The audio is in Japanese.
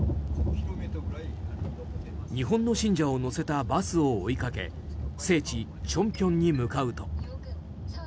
日本の信者を乗せたバスを追いかけ聖地・清平に向かうと。